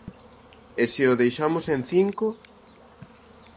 E se o deixamos en cinco?